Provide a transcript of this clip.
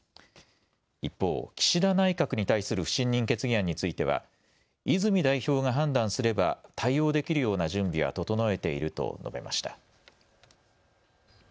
一方、岸田内閣に対する不信任決議案については泉代表が判断すれば対応できるような準備は整えていると述べました。